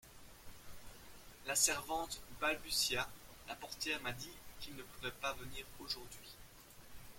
La servante balbutia : La portière m'a dit qu'il ne pourrait pas venir aujourd'hui.